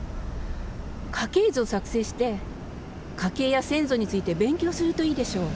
家系図を作成して、家系や先祖について勉強するといいでしょう。